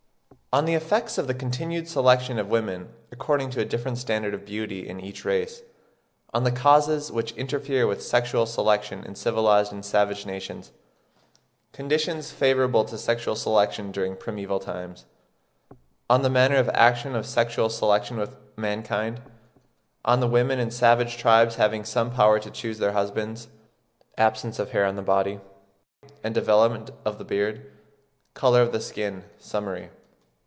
On the effects of the continued selection of women according to a different standard of beauty in each race—On the causes which interfere with sexual selection in civilised and savage nations—Conditions favourable to sexual selection during primeval times—On the manner of action of sexual selection with mankind—On the women in savage tribes having some power to choose their husbands—Absence of hair on the body, and development of the beard—Colour of the skin—Summary.